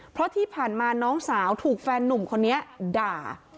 เพราะที่ผ่านมาน้องสาวถูกแฟนนุ่มคนนี้ด่า